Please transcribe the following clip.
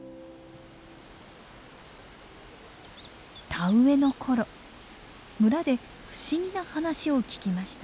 田植えの頃村で不思議な話を聞きました。